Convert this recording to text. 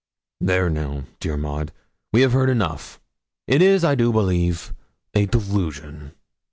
'There now, dear Maud, we have heard enough; it is, I do believe, a delusion.